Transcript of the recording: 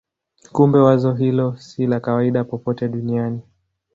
Kumbe wazo hilo si la kawaida popote duniani.